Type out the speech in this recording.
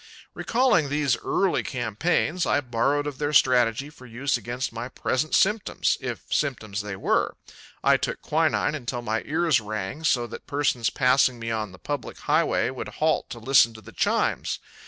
Recalling these early campaigns, I borrowed of their strategy for use against my present symptoms if symptoms they were. I took quinine until my ears rang so that persons passing me on the public highway would halt to listen to the chimes.